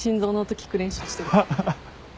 ハハハ